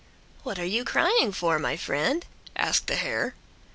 "What are you crying for, my friend?" asked the hare.